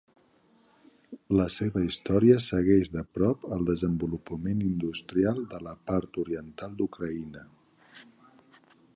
La seva història segueix de prop el desenvolupament industrial de la part oriental d'Ucraïna.